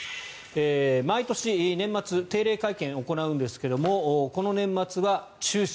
毎年、年末定例会見を行うんですがこの年末は中止。